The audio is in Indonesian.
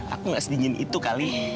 aku gak sedingin itu kali